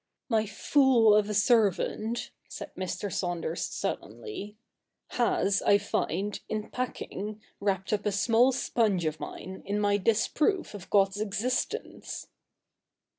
' My fool of a servant,' said Mr. Saunders sullenly, ' has, I find, in packing, wrapped up a small sponge of mine in my disproof of God's existence.'